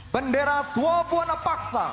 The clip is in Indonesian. bendera swabwana paksa